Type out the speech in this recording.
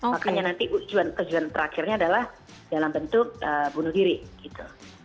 makanya nanti tujuan terakhirnya adalah dalam bentuk bunuh diri gitu